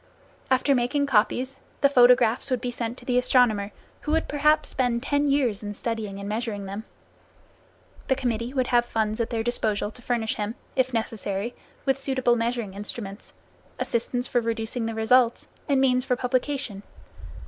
After making copies, the photographs would be sent to the astronomer who would perhaps spend ten years in studying and measuring them. The committee would have funds at their disposal to furnish him, if necessary, with suitable measuring instruments, assistants for reducing the results, and means for publication.